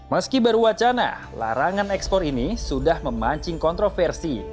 meski baru wacana larangan ekspor ini sudah memancing kontroversi